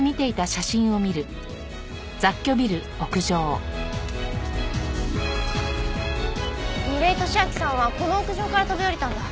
楡井敏秋さんはこの屋上から飛び降りたんだ。